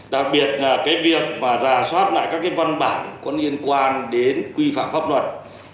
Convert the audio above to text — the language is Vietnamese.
đặc biệt là cái việc mà rà soát lại các cái văn bản có liên quan đến quy phạm pháp luật